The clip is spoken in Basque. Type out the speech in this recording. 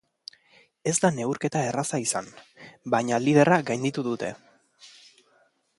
Ez da neurketa erraza izan, baina liderra gainditu dute.